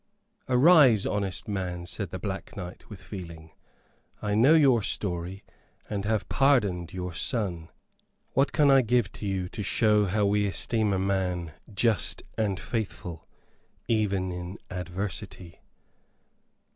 "Arise, honest man," said the Black Knight, with feeling, "I know your story, and have pardoned your son. What can I give to you to show you how we esteem a man just and faithful, even in adversity?"